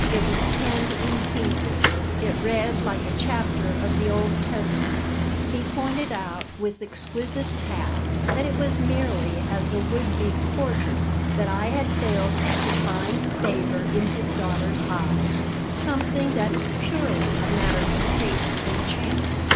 It was penned in Hebrew. It read like a chapter of the Old Testament. He pointed out, with exquisite tact, that it was merely as a would be courtier that I had failed to find favor in his daughter's eyes something that is purely a matter of taste and chance.